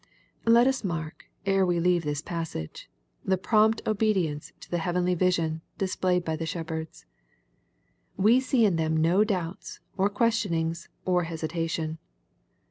Let us mark, ere we leave the passage, the prompt obedience to the heavenly vision displayed by the shep herds. We see in them no doubts, or questionings, or hesitation.